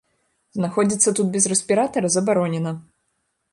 Знаходзіцца тут без рэспіратара забаронена.